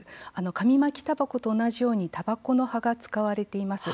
紙巻きたばこと同じようにたばこの葉が使われています。